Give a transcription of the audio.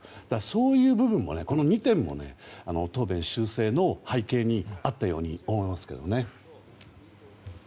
そういう部分もこの２点も答弁修正の背景にあったように思いますけどね。